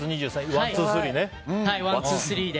ワンツースリーね。